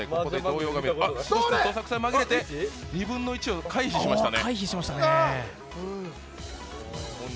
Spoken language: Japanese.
どさくさに紛れて２分の１を回避しましたね。